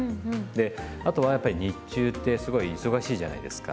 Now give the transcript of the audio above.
であとはやっぱり日中ってすごい忙しいじゃないですか。